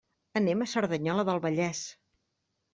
Anem a Cerdanyola del Vallès.